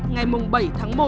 ngày bảy tháng một